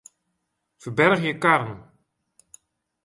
Ferbergje karren.